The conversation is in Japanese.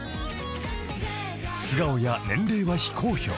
［素顔や年齢は非公表］